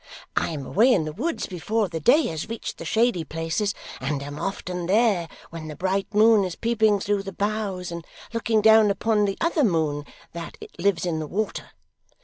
I am away in the woods before the day has reached the shady places, and am often there when the bright moon is peeping through the boughs, and looking down upon the other moon that lives in the water.